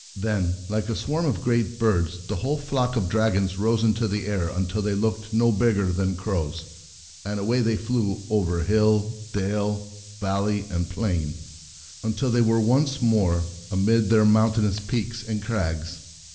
Then, like a swarm of They Go great birds, the whole flock of dragons rose into the air until they looked no bigger than crows, and away they flew over hill, dale, valley, and plain till they were once more amid their mountainous peaks and Homeward and the Dragons 49 crags.